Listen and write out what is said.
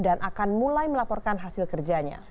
dan akan mulai melaporkan hasil kerjanya